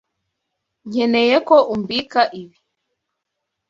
Nkeneye ko umbika ibi.